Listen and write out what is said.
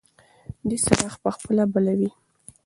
دی څراغ په خپله بلوي.